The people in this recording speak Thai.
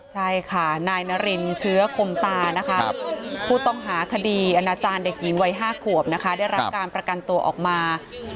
ใช่ค่ะนายนารินเชื้อคมตานะคะผู้ต้องหาคดีอนาจารย์เด็กหญิงวัย๕ขวบนะคะได้รับการประกันตัวออกมา